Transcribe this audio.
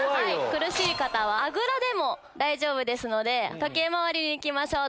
苦しい方はあぐらでも大丈夫ですので時計回りに行きましょう！